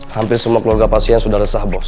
hampir semua keluarga pasien sudah resah bos